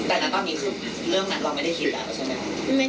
เอานอน